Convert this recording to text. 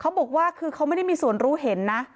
เขาบอกว่าคือเขาไม่ได้มีส่วนรู้เห็นนะ